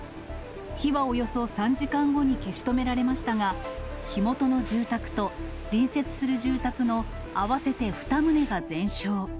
火はおよそ３時間後に消し止められましたが、火元の住宅と隣接する住宅の合わせて２棟が全焼。